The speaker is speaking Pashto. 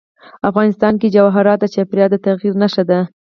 افغانستان کې جواهرات د چاپېریال د تغیر نښه ده.